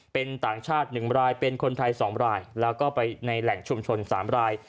เป็นต่างชาติ๑รายเป็นคนไทย๒รายแล้วก็ไปในแหล่งชุมชน๓ราย